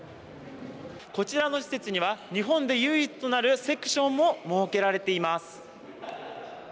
こちらの施設には日本で唯一となるセクションも設けられています。